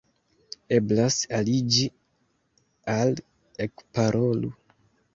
Eblas aliĝi al Ekparolu!